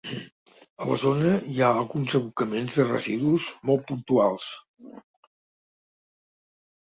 A la zona hi ha alguns abocaments de residus molt puntuals.